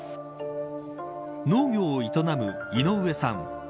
農業を営む井上さん。